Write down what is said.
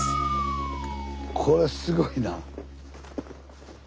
これすごいな。